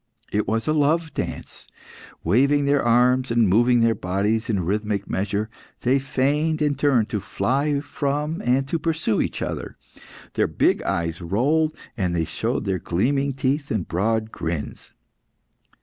It was a love dance; waving their arms, and moving their bodies in rhythmic measure, they feigned, in turn, to fly from and to pursue each other. Their big eyes rolled, and they showed their gleaming teeth in broad grins.